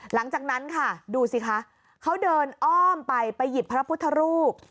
หลังจากนั้นค่ะดูสิคะเขาเดินอ้อมไปไปหยิบพระพุทธรูป